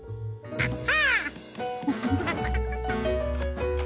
アッハ。